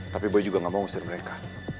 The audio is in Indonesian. tapi boy juga gak mau ngusir mereka